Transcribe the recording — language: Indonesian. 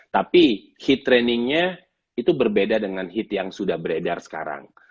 tapi heat trainingnya itu berbeda dengan hit yang sudah beredar sekarang